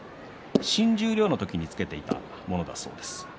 新十両の時につけていたものだそうです。